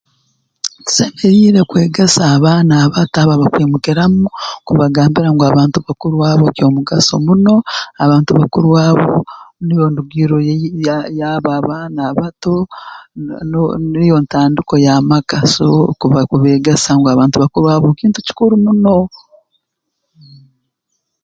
Tusemeriire kwegesa abaana abato abo abakwimukiramu kubagambira ngu abantu bakuru abo ky'omugaso muno abantu bakuru abo nubo ndugirro yai ya yaabo abaana abato na ni niyo ntandiko y'amaka so kuba kubeegesa ngu abantu bakuru abo kintu kikuru muno